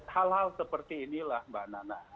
hal hal seperti inilah mbak nana